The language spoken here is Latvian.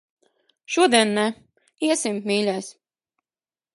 Šodien ne. Iesim, mīļais.